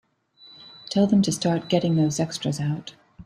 Tell them to start getting those extras out.